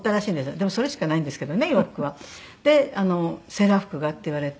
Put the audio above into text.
でもそれしかないんですけどね洋服は。でセーラー服がって言われて。